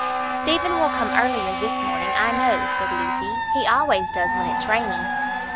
"Stephen will come earlier this morning, I know," said Lucy; "he always does when it's rainy."